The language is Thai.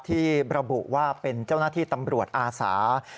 ที่ระบุว่าเป็นเจ้าหน้าที่ตำรวจอาสา